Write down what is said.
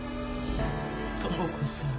智子さん。